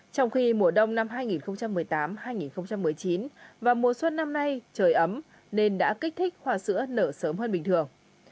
trong khi mùa đông năm hai nghìn một mươi tám hai nghìn một mươi chín và mùa xuân năm nay trời ấm nên đã kích thích hoa sữa nở sớm hơn bình thường